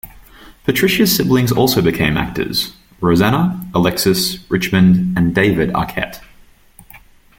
Patricia's siblings also became actors: Rosanna, Alexis, Richmond, and David Arquette.